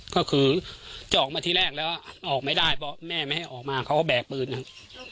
ก็คือจะออกมาที่แรกแล้วออกไม่ได้เพราะแม่ไม่ให้ออกมาเขาก็แบกปืนนะครับ